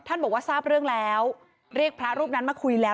บอกว่าทราบเรื่องแล้วเรียกพระรูปนั้นมาคุยแล้ว